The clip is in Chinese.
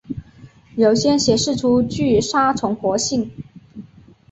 有些显示出具杀虫活性。